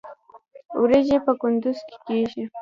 وریجې په کندز کې کیږي